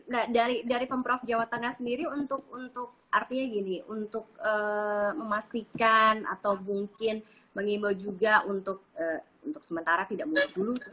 nah dari pemprov jawa tengah sendiri untuk artinya gini untuk memastikan atau mungkin mengimbau juga untuk sementara tidak boleh dulu